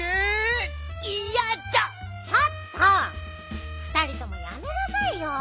ちょっとふたりともやめなさいよ。